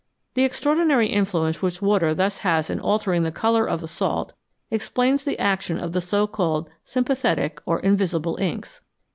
The extraordinary influence which water thus has in altering the colour of a salt explains the action of the so called " sympathetic " or " invisible " inks.